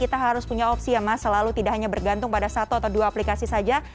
kita harus punya opsi ya mas selalu tidak hanya bergantung pada satu atau dua aplikasi saja